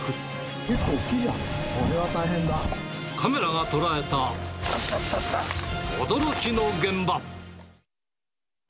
結構大きいじゃん、これは大カメラが捉えた驚きの現場。